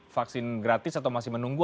vaksin gratis atau masih menunggu